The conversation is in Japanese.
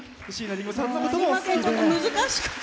すいません、ちょっと難しかった。